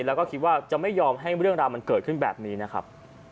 แล้วก็คิดว่าจะไม่ยอมให้เรื่องราวมันเกิดขึ้นแบบนี้นะครับ